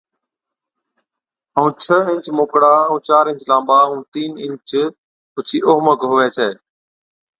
ائُون ڇه اِنچ موڪڙا ائُون چار اِنچ لانٻا ائُون تِين اِنچ اوڇِي اوهمڪ هُوَي ڇَي۔